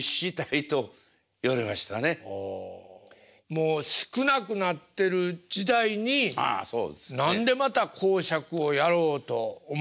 もう少なくなってる時代に何でまた講釈をやろうと思われたんですか？